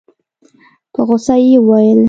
په غوسه يې وويل.